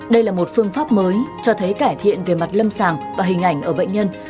đây là một phương pháp mới cho thấy cải thiện về mặt lâm sàng và hình ảnh ở bệnh nhân